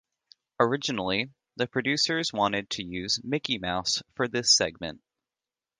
Originally, the producers wanted to use Mickey Mouse for this segment.